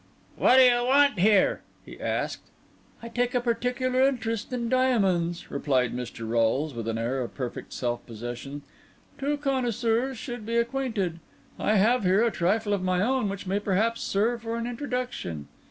"What do you want here?" he asked. "I take a particular interest in diamonds," replied Mr. Rolles, with an air of perfect self possession. "Two connoisseurs should be acquainted. I have here a trifle of my own which may perhaps serve for an introduction."